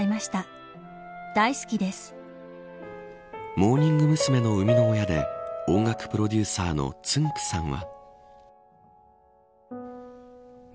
モーニング娘。の生みの親で音楽プロデューサーのつんく♂さんは。